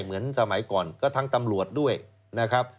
เหมือนสมัยก่อนก็ทั้งตำรวจด้วยนะครับ